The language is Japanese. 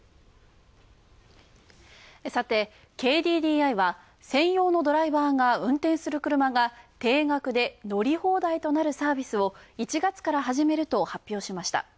さて、ＫＤＤＩは、専用のドライバーが運転する車が、定額で乗り放題となるサービスを１月から始めると発表しました。